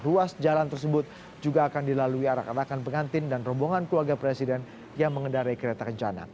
ruas jalan tersebut juga akan dilalui arak arakan pengantin dan rombongan keluarga presiden yang mengendarai kereta kencana